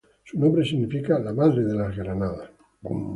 Su nombre significa "La madre de las granadas".